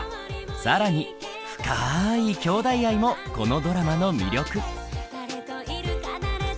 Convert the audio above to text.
更に深いきょうだい愛もこのドラマの魅力。